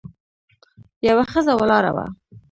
یوه ښځه ولاړه وه.